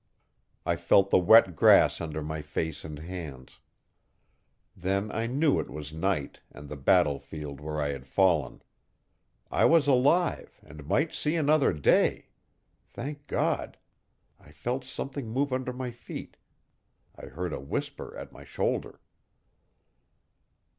I felt the wet grass under my face and hands. Then I knew it was night and the battlefield where I had fallen. I was alive and might see another day thank God! I felt something move under my feet I heard a whisper at my shoulder.